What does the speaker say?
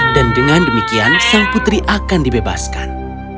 dan dengan demikian sang putri akan dibebaskan